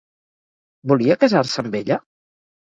Volia casar-se amb ella?